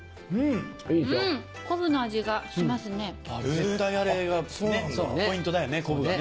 絶対あれがポイントだよね